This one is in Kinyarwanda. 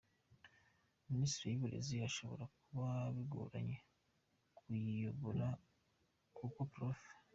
Minisiteri y’Uburezi ishobora kuba bigoranye kuyiyobora kuko Prof.